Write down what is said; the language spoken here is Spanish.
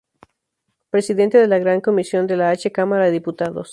Presidente de la Gran Comisión de la H. Cámara de Diputados.